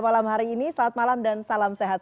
malam hari ini selamat malam dan salam sehat